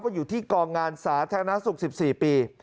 อยู่ที่กองงานสาธารณสุข๑๔ปี